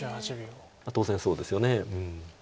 当然そうですよね。